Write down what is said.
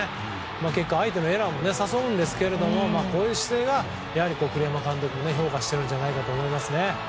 結果相手のエラーを誘うんですがこういう姿勢が、栗山監督も評価しているんじゃないかと思います。